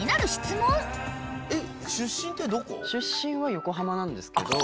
出身は横浜なんですけど。